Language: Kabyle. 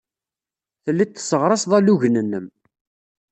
Telliḍ tesseɣraseḍ alugen-nnem.